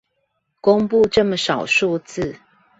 公佈這麼少數字